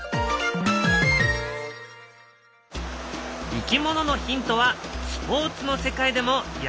いきもののヒントはスポーツの世界でも役立っている。